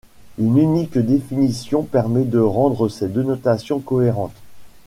Une unique définition permet de rendre ces deux notations cohérentes.